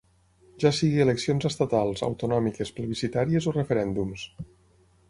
Ja sigui eleccions estatals, autonòmiques, plebiscitàries o referèndums.